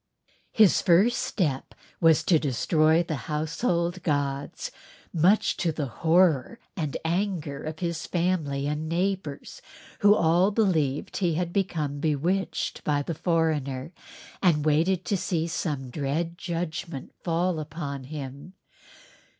His first step was to destroy the household gods, much to the horror and anger of his family and neighbors, who all believed him to have become bewitched by the foreigner and waited to see some dread judgment fall upon him.